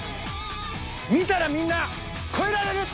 見たらみんな超えられる！